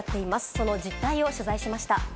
その実態を取材しました。